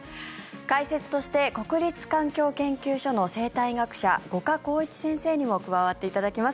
解説として国立環境研究所の生態学者、五箇公一先生にも加わっていただきます。